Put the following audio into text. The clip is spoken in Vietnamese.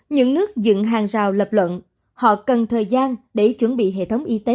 những nước dựng hàng rào lập luận họ cần thời gian để chuẩn bị hệ thống y tế